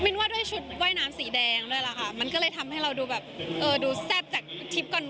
ว่าด้วยชุดว่ายน้ำสีแดงด้วยล่ะค่ะมันก็เลยทำให้เราดูแบบเออดูแซ่บจากทริปก่อน